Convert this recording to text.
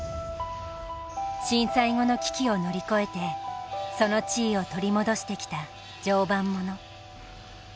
震災後の危機を乗り越えてその地位を取り戻してきた常磐もの。